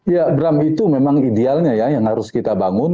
ya bram itu memang idealnya ya yang harus kita bangun